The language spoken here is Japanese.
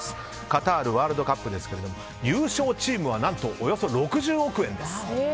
カタールワールドカップですが優勝チームはおよそ６０億円です。